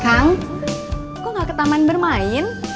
kang kok gak ke taman bermain